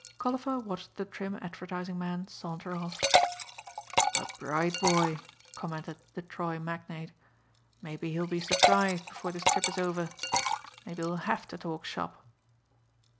Colliver watched the trim advertising man saunter off. "A bright boy," commented the Troy magnate, "maybe he'll be surprised before this trip is over. Maybe he'll have to talk shop."